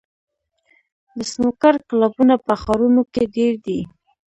د سنوکر کلبونه په ښارونو کې ډېر دي.